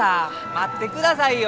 待ってくださいよ。